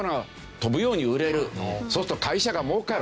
そうすると会社が儲かる。